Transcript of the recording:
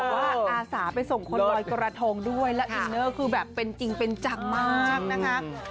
คนเขาบอกว่าอาสาไปส่งคนลอยกระทองด้วยและอินเนอร์ก็คือจริงเป็นจักรมาก